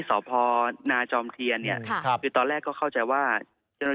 สภนาจอมเทียนเนี่ยค่ะคือตอนแรกก็เข้าใจว่าทลที